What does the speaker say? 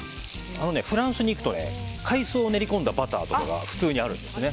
フランスに行くと海藻を練り込んだバターとかが普通にあるんですね。